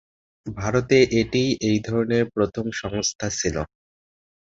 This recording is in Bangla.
ভারতে এটিই এই ধরনের প্রথম সংস্থা ছিল।